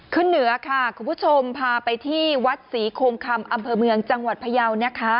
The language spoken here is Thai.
เหนือค่ะคุณผู้ชมพาไปที่วัดศรีโคมคำอำเภอเมืองจังหวัดพยาวนะคะ